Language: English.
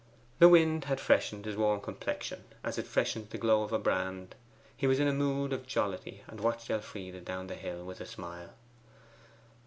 The wind had freshened his warm complexion as it freshens the glow of a brand. He was in a mood of jollity, and watched Elfride down the hill with a smile.